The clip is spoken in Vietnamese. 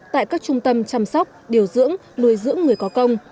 tại các trung tâm chăm sóc điều dưỡng nuôi dưỡng người có công